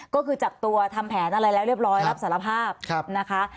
ก็คือจับตัวทำแผนอะไรแล้วเรียบร้อยรับสารภาพนะคะ